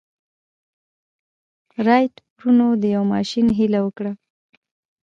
رايټ وروڼو د يوه ماشين هيله وکړه.